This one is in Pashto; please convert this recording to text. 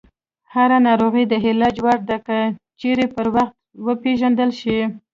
هره ناروغي د علاج وړ ده، که چیرې پر وخت وپېژندل شي.